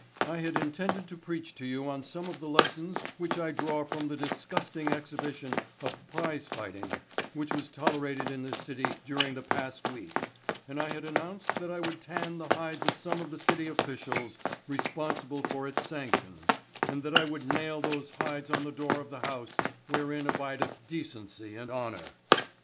I had intended to preach to you on some of the lessons which I draw from the disgusting exhibition of prize fighting which was tolerated in this city during the past week and I had announced that I would tan the hides of some of the city officials responsible for its sanction, and that I would nail those hides on the door of the house wherein abideth decency and honor.